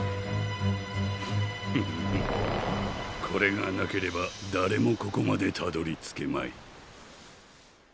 これがなければだれもここまでたどりつけまい。